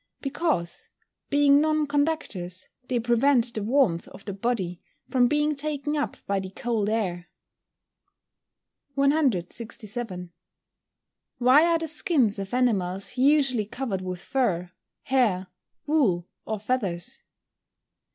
_ Because, being non conductors, they prevent the warmth of the body from being taken up by the cold air. 167. _Why are the skins of animals usually covered with fur, hair, wool, or feathers?